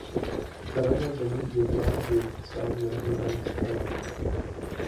کرنه زموږ د هېواد د اقتصاد مهمه ستنه ده